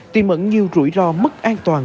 tìm ẩn nhiều rủi ro mức an toàn